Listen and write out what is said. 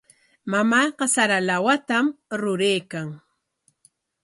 Mamaaqa sara lawatam ruraykan.